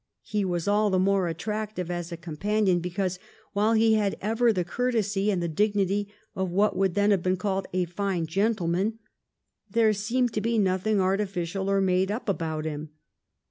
He was all the more attractive as a companion because, while he had ever the courtesy and the dignity of what would then have been called a fine gentleman, there seemed to be nothing artificial or made up about him.